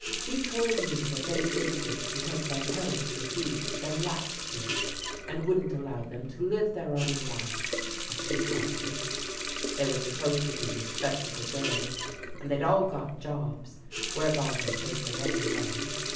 She told me that they did this because their parents refused them latch keys, and wouldn't allow them to live their own life, as she called it They were supposed to be re spectable girls, and they'd all got jobs whereby they paid their own way.